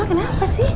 emang kenapa sih